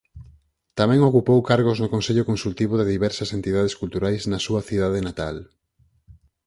Tamén ocupou cargos no consello consultivo de diversas entidades culturais na súa cidade natal.